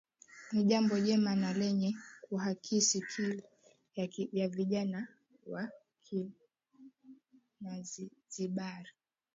Ni jambo jema na lenye kuakisi kiu ya vijana wa kinzazibari